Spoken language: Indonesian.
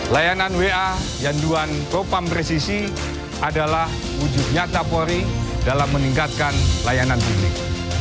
layanan waian doan kopang presisi adalah wujud nyata polri dalam meningkatkan layanan publik